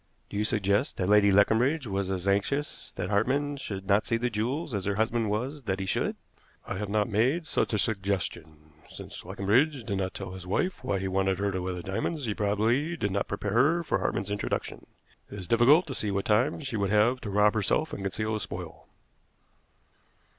"Do you suggest that Lady Leconbridge was as anxious that Hartmann should not see the jewels as her husband was that he should?" "I have not made such a suggestion. Since Leconbridge did not tell his wife why he wanted her to wear the diamonds, he probably did not prepare her for Hartmann's introduction. It is difficult to see what time she would have to rob herself and conceal the spoil."